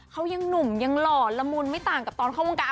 เขายังหนุ่มยังหล่อละมุนไม่ต่างกับตอนเข้าวงการ